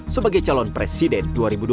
sebagai calon presiden dua ribu dua puluh